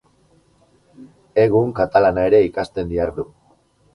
Egun katalana ere ikasten dihardu.